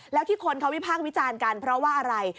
แล้วที่คนเขาวิพากษ์วิจารณ์กันเพราะว่าอะไร